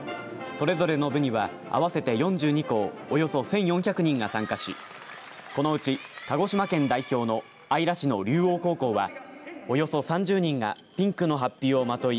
それぞれの部には合わせて４２校およそ１４００人が参加しこのうち鹿児島県代表の姶良市の龍桜高校はおよそ３０人がピンクのはっぴをまとい